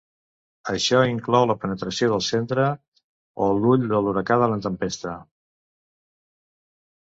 Això inclou la penetració del centre o l'ull de l'huracà de la tempesta.